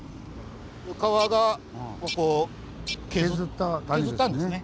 川がここを削ったんですね。